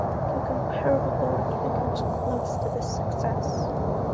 No comparable boat even comes close to this success.